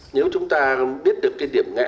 nếu chúng ta biết được cái điểm ngã đó